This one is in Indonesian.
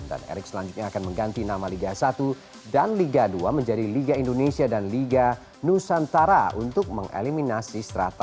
dan erick selanjutnya akan mengganti nama liga satu dan liga dua menjadi liga indonesia dan liga nusantara untuk mengeliminasi strata